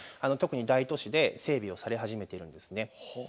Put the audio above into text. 特に大都市で整備をされ始めているんですね。